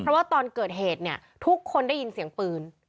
เพราะว่าตอนเกิดเหตุเนี่ยทุกคนได้ยินเสียงปืน